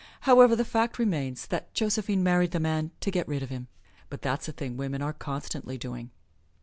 However, the fact remains that Josephine married the man to get rid of him; but that's a thing women are constantly doing.